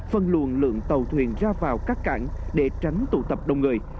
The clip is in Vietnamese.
phân luồn lượng tàu thuyền ra vào các cảng để tránh tụ tập đông người